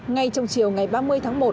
ngay trong chiều ngày ba mươi tháng một